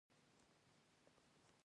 پوهه دا تیاره له منځه وړي.